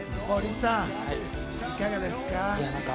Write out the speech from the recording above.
森さん、いかがですか？